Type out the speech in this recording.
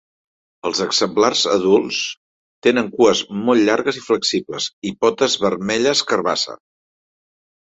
Els exemplars adults tenen cues molt llargues i flexibles i potes vermelles-carbassa.